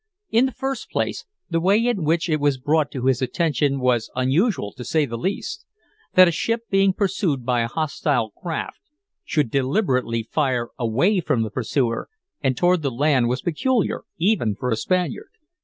In the first place, the way in which it was brought to his attention was unusual, to say the least. That a ship being pursued by a hostile craft should deliberately fire away from the pursuer and toward the land was peculiar, even for a Spaniard.